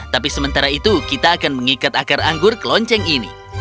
tapi sementara itu kita akan mengikat akar anggur ke lonceng ini